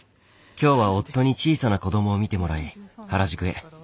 今日は夫に小さな子どもを見てもらい原宿へ。